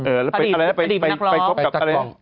อดีตเป็นนักร้อง